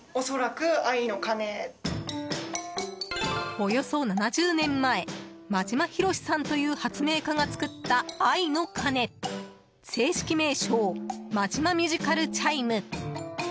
およそ７０年前真島宏さんという発明家が作った「愛の鐘」。正式名称「マジマミュジカルチャイム」。